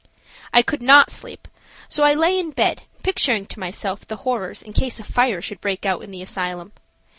I could not sleep, so I lay in bed picturing to myself the horrors in case a fire should break out in the asylum.